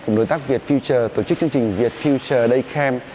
cùng đối tác việt future tổ chức chương trình việt future day camp